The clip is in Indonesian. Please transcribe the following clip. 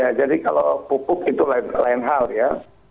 ya jadi kalau pupuk itu lain hal ya